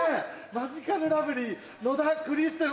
「マジカルラブリー野田クリステル」。